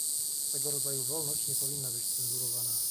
Tego rodzaju wolność nie powinna być cenzurowana